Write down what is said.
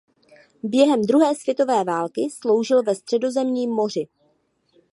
Během druhé světové války sloužil ve Středozemní moři.